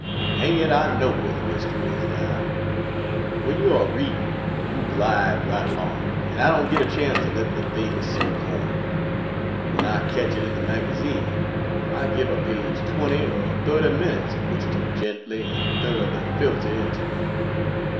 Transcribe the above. Hang it, I know where the mystery is, now; when you are reading, you glide right along, and I don't get a chance to let the things soak home; but when I catch it in the magazine, I give a page 20 or 30 minutes in which to gently and thoroughly filter into me.